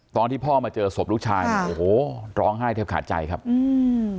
ตอนที่พ่อมาเจอศพลูกชายเนี่ยโอ้โหร้องไห้แทบขาดใจครับอืม